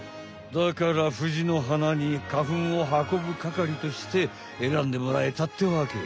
だからフジの花に花ふんをはこぶかかりとして選んでもらえたってわけ。